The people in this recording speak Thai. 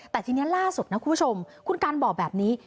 แต่ทีนี้ล่าสุดนะคุณผู้ชมคุณการบอกแบบนี้